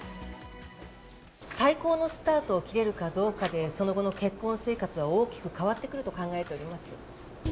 最高のスタートを切れるかどうかでその後の結婚生活は大きく変わってくると考えております。